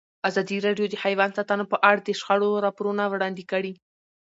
ازادي راډیو د حیوان ساتنه په اړه د شخړو راپورونه وړاندې کړي.